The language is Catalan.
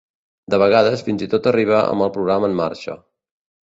De vegades fins i tot arriba amb el programa en marxa.